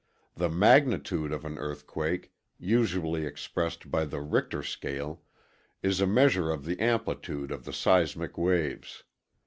The magnitude of an earthquake, usually expressed by the Richter Scale, is a measure of the amplitude of the seismic waves.